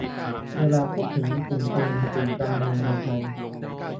เวลาพูดถึง กลุ่มทุน กลุ่มการเมือง ในไทย